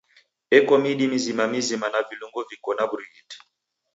Eko midi mizima mizima na vilungo viko na w'urighiti.